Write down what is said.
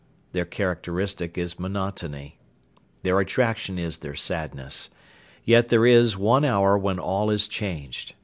Their characteristic is monotony. Their attraction is their sadness. Yet there is one hour when all is changed.